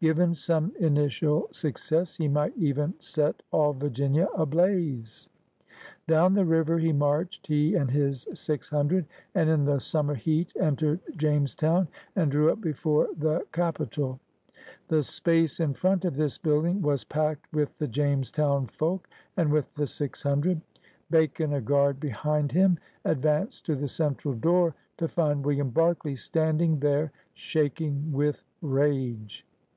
Given some initial success, he might even set all Virginia ablaze. Down the river he marched, he and his six hundred, and in the summer heat entered Jamestown and drew up before the Capi tol. The space in front of this building was packed with the Jamestown folk and with the six hundred. Bacon, a guard behind him, ad vanced to the central door, to find William Berkeley standing there shaking with rage.